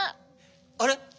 あれ？